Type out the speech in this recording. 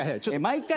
「毎回」